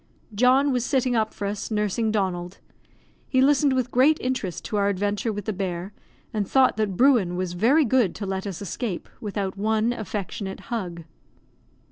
John was sitting up for us, nursing Donald. He listened with great interest to our adventure with the bear, and thought that Bruin was very good to let us escape without one affectionate hug.